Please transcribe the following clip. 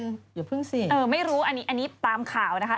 อย่าเพิ่งสิไม่รู้อันนี้ตามข่าวนะคะ